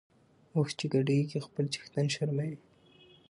اوښ چی ګډیږي خپل څښتن شرموي .